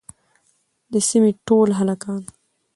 د سيمې ټول هلکان